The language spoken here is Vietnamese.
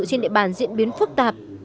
trên địa bàn diễn biến phức tạp